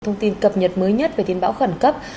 thông tin cập nhật mới nhất về tiến bão khẩn cấp